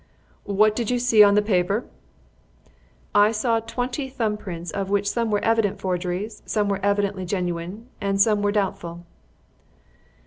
"What did you see on the paper?" "I saw twenty thumb prints, of which some were evident forgeries, some were evidently genuine, and some were doubtful."